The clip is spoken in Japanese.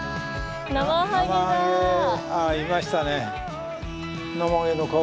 ああいましたね。